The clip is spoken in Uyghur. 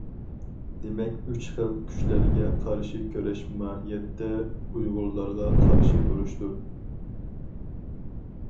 دېمەك ئۈچ خىل كۈچلەرگە قارشى كۈرەش ماھىيەتتە ئۇيغۇرلارغا قارشى ئۇرۇشتۇر.